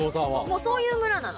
もうそういう村なの。